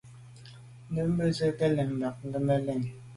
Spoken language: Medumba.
Ndə̂mbə́ jú zə̄ bū jʉ̂ nyɔ̌ŋ lí’ bɑ̌k gə̀ mə́ bí.